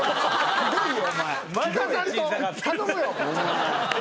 すごいね。